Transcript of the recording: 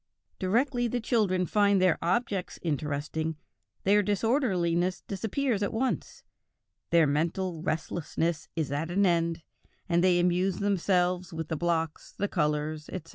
"Directly the children find their objects interesting, their disorderliness disappears at once; their mental restlessness is at an end, and they amuse themselves with the blocks, the colors, etc."